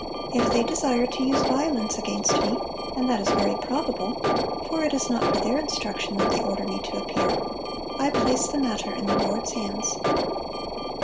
If they desire to use violence against me, and that is very probable (for it is not for their instruction that they order me to appear), I place the matter in the Lord's hands.